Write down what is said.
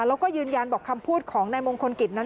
แล้วก็ยืนยันบอกคำพูดของนายมงคลกิจนั้น